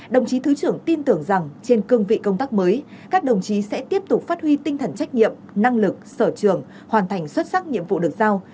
đồng chí thứ trưởng tin tưởng rằng trên cương vị công tác mới các đồng chí sẽ tiếp tục phát huy tinh thần trách nhiệm năng lực sở trường hoàn thành xuất sắc nhiệm vụ được giao